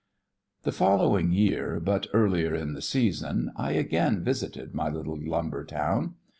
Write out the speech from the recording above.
The following year, but earlier in the season, I again visited my little lumber town.